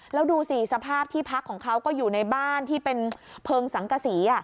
แล้วดูสิสภาพที่พักของเขาก็อยู่ในบ้านที่เป็นเพลิงสังกษี